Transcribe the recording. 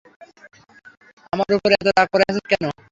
আমার উপর এতো রাগ করে আছিস কেন?